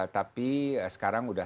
tapi sekarang sudah